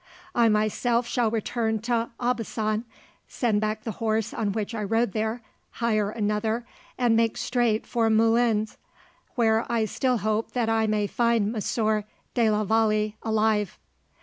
"I myself shall return to Aubusson, send back the horse on which I rode there, hire another, and make straight for Moulins, where I still hope that I may find Monsieur de la Vallee alive.